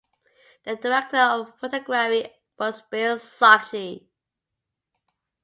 The director of photography was Bill Zarchy.